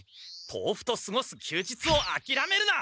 豆腐とすごす休日をあきらめるな！